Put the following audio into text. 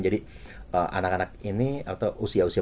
jadi anak anak ini atau usia usia